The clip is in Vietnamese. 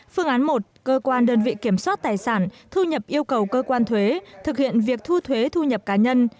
phương án một cơ quan đơn vị kiểm soát tài sản thu nhập yêu cầu cơ quan thuế thực hiện việc thu thuế thu nhập cá nhân